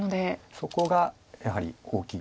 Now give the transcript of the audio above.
そこがやはり大きい。